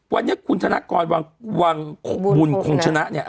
วันนี้คุณธนกรวังบุญคงชนะเนี่ย